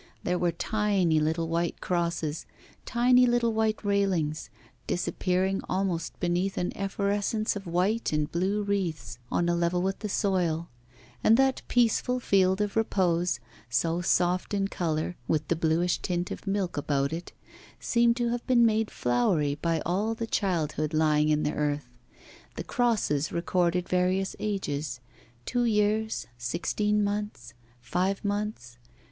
There were tiny little white crosses, tiny little white railings, disappearing almost beneath an efflorescence of white and blue wreaths, on a level with the soil; and that peaceful field of repose, so soft in colour, with the bluish tint of milk about it, seemed to have been made flowery by all the childhood lying in the earth. The crosses recorded various ages, two years, sixteen months, five months.